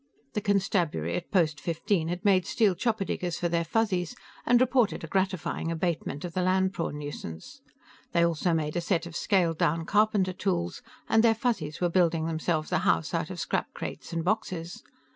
The constabulary at Post Fifteen had made steel chopper diggers for their Fuzzies, and reported a gratifying abatement of the land prawn nuisance. They also made a set of scaled down carpenter tools, and their Fuzzies were building themselves a house out of scrap crates and boxes.